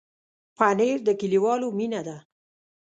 پنېر د کلیوالو مینه ده.